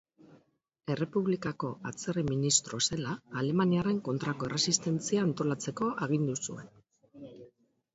Errepublikako Atzerri ministro zela, alemaniarren kontrako erresistentzia antolatzeko agindu zuen.